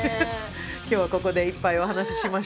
今日はここでいっぱいお話ししましょう。